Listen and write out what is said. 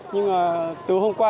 nhưng từ hôm qua